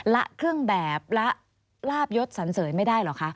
ละเครื่องแบบละลาบยศสันเสยไม่ได้เหรอคะ